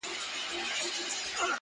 څوك به نيسي ګرېوانونه د غازيانو.!